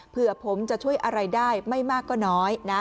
เผื่อผมจะช่วยอะไรได้ไม่มากก็น้อยนะ